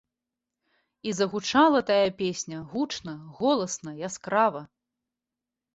І загучала тая песня гучна, голасна, яскрава.